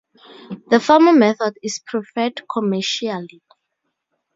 The former method is preferred commercially.